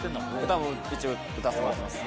歌も一応歌わせてもらってます